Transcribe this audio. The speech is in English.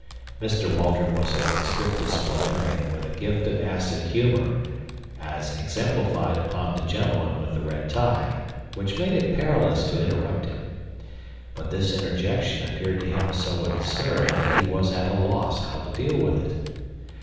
Mr. Waldron was a strict disciplinarian with a gift of acid humor, as exemplified upon the gentleman with the red tie, which made it perilous to interrupt him. But this interjection appeared to him so absurd that he was at a loss how to deal with it.